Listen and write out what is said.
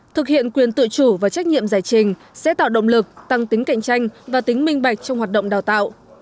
thực hiện quyền tự chủ và trách nhiệm giải trình sẽ tạo động lực tăng tính cạnh tranh và tính minh bạch trong hoạt động đào tạo